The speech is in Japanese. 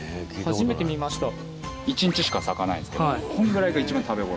１日しか咲かないんですけどこのぐらいが一番食べ頃。